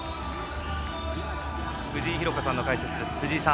藤井寛子さんの解説です。